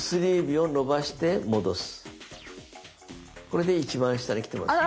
これで一番下にきてます。